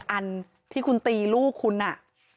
อันที่คุณตีลูกคุณน่ะ